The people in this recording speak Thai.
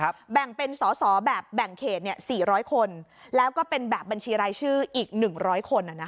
แบ่งเป็นสอสอแบบแบ่งเขต๔๐๐คนแล้วก็เป็นแบบบัญชีรายชื่ออีก๑๐๐คน